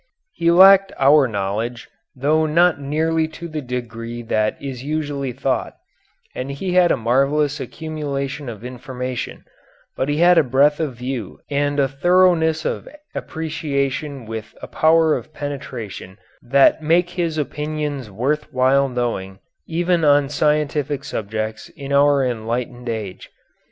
He lacked our knowledge, though not nearly to the degree that is usually thought, and he had a marvellous accumulation of information, but he had a breadth of view and a thoroughness of appreciation with a power of penetration that make his opinions worth while knowing even on scientific subjects in our enlightened age.